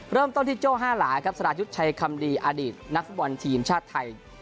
เริ่มต้นที่โจ้ห้าหลาครับสรายุทธ์ชัยคำดีอดีตนักฟุตบอลทีมชาติไทย